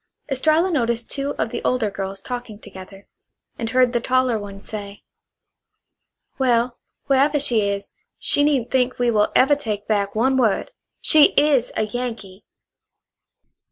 Estralla noticed two of the older girls talking together, and heard the taller one say: "Well, wherever she is, she needn't think we will ever take back one word. She IS a Yankee!"